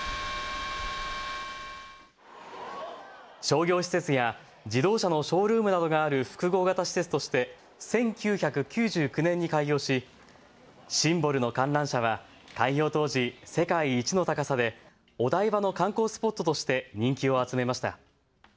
商業施設や自動車のショールームなどがある複合型施設として１９９９年に開業しシンボルの観覧車は開業当時、世界一の高さでお台場の観光スポットとして人気を集めました。